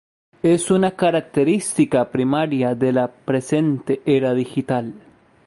Es una característica primaria de la presente Era Digital.